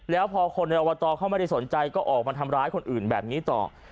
แล้วพอคนในอบตเขาไม่ได้สนใจก็ออกมาทำร้ายคนอื่นแบบนี้ต่อ